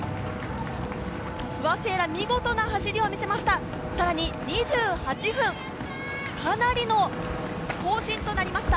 不破聖衣来、見事な走りを見せました。